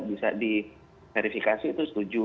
bisa di verifikasi itu setuju